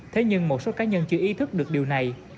thế nhưng một số cá nhân chưa ý thức được điều này